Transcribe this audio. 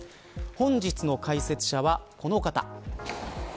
本日の解説者はこの方。